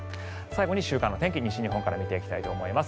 週間の天気を西日本から見ていきたいと思います。